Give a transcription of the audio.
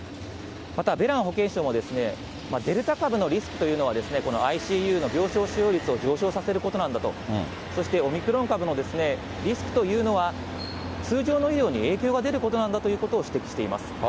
またベラン保健相も、デルタ株のリスクというのは、このＩＣＵの病床使用率を上昇させることなんだと、そしてオミクロン株のリスクというのは、通常の医療に影響が出ることなんだということを指摘しています。